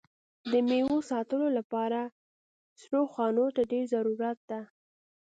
د میوو ساتلو لپاره سړو خونو ته ډېر ضرورت ده.